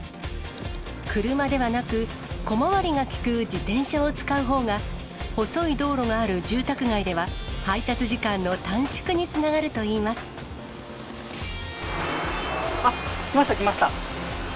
車ではなく、小回りが利く自転車を使うほうが、細い道路がある住宅街では、配達時間の短縮につながるといいあっ、来ました、来ました。